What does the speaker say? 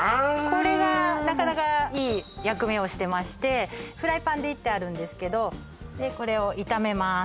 これがなかなかいい役目をしてましてフライパンで炒ってあるんですけどこれを炒めます